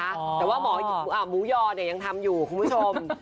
แต่ว่าหมอหมูยอเนี่ยยังทำอยู่คุณผู้ชม